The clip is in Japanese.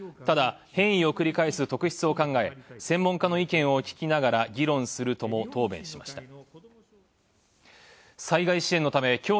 ただ、変異を繰り返す特質を考え、専門家の意見を聞きながら議論するとも答弁しました。